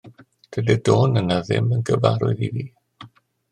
Dydi'r dôn yna ddim yn gyfarwydd i fi.